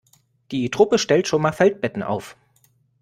Die Truppe stellt schon mal Feldbetten auf.